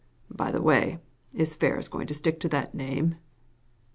"By the way, is Ferris going to stick to that name